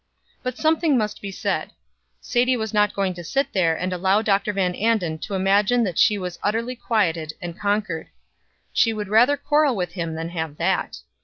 But something must be said. Sadie was not going to sit there and allow Dr. Van Anden to imagine that she was utterly quieted and conquered; she would rather quarrel with him than have that.